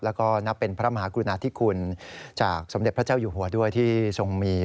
แล้วก็นับเป็นพระมหากรุณาธิคุณจากสมเด็จพระเจ้าอยู่หัวด้วยที่ทรงมี